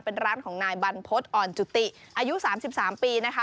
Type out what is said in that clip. เป็นร้านของนายบรรพฤษอ่อนจุติอายุ๓๓ปีนะคะ